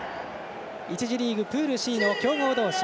１次リーグ、プールＣの強豪同士。